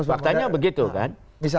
faktanya begitu kan